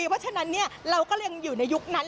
เพราะฉะนั้นเราก็ยังอยู่ในยุคนั้น